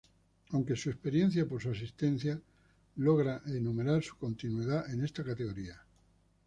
Aunque su experiencia por su asistencia, logra enumerar su continuidad en esta categoría.